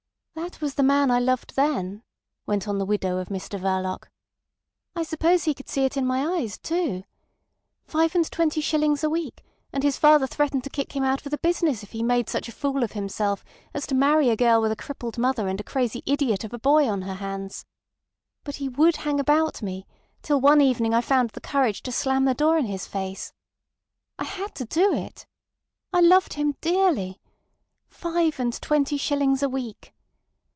"That was the man I loved then," went on the widow of Mr Verloc. "I suppose he could see it in my eyes too. Five and twenty shillings a week, and his father threatened to kick him out of the business if he made such a fool of himself as to marry a girl with a crippled mother and a crazy idiot of a boy on her hands. But he would hang about me, till one evening I found the courage to slam the door in his face. I had to do it. I loved him dearly. Five and twenty shillings a week!